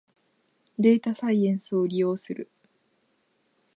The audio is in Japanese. データサイエンスを利用する